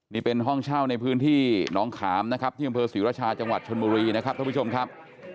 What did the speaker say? นี่เป็นห้องเช่าในพื้นที่หนองขามนะครับที่อำเภอศรีราชาจังหวัดชนบุรีนะครับท่านผู้ชมครับ